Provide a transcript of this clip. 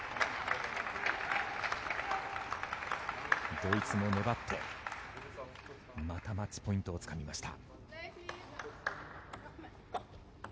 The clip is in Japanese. ドイツも粘って、またマッチポイントをつかみました。